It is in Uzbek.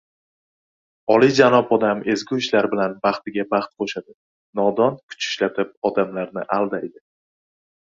• Oliyjanob odam ezgu ishlari bilan baxtiga baxt qo‘shadi, nodon kuch ishlatib odamlarni aldaydi.